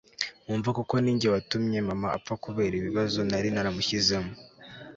nkumva koko ninjye watumye mama apfa kubera ibibazo nari naramushyizemo